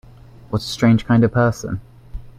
What a strange kind of person!